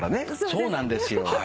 そうなんですよ。